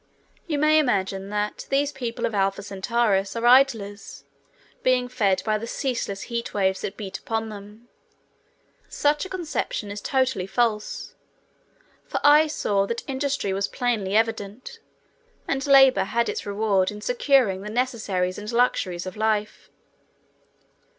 You may imagine that these people of Alpha Centaurus are idlers, being fed by the ceaseless heat waves that beat upon them. Such a conception is totally false, for I saw that industry was plainly evident, and labor had its reward in securing the necessaries and luxuries of life.